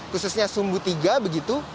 khususnya sumbu tiga begitu